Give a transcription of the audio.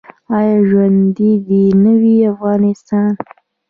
آیا ژوندی دې نه وي افغانستان؟